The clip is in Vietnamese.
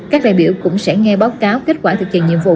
các đại biểu cũng sẽ nghe báo cáo kết quả thực hiện nhiệm vụ